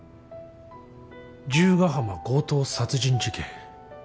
十ヶ浜強盗殺人事件。